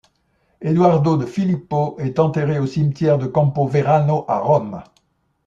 Eduardo De Filippo est enterré au cimetière de Campo Verano à Rome.